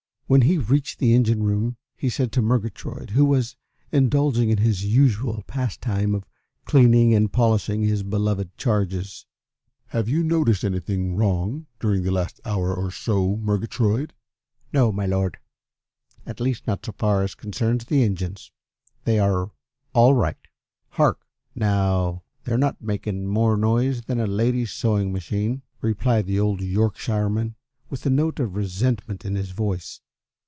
When he reached the engine room he said to Murgatroyd, who was indulging in his usual pastime of cleaning and polishing his beloved charges: "Have you noticed anything wrong during the last hour or so, Murgatroyd?" "No, my Lord; at least not so far as concerns the engines. They're all right. Hark, now, they're not making more noise than a lady's sewing machine," replied the old Yorkshireman, with a note of resentment in his voice.